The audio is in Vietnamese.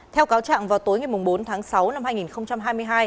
theo cáo trạng vào tối bốn tháng sáu năm hai nghìn hai mươi